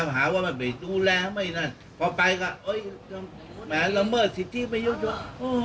หาว่าไปดูแลไหมนั่นพอไปก็แหมละเมิดสิทธิไม่ยอดโจทย์